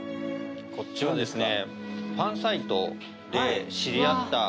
こっちはですね